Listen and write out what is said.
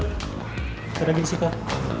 gak ada gini sih kak